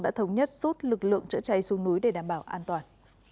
đã thống nhất rút lực lượng chữa cháy xuống núi để đảm bảo an toàn